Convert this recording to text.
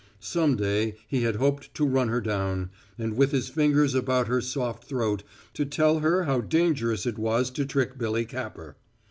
Some day he had hoped to run her down, and with his fingers about her soft throat to tell her how dangerous it was to trick Billy Capper.